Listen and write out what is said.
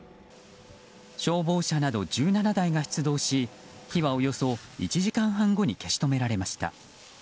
消防車など１７台が出動し火はおよそ１時間半後に消し止められました。